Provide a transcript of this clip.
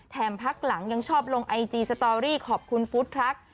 แถมพักหลังยังชอบลงไอจีสตอรี่ขอบคุณฟุตคลักษณ์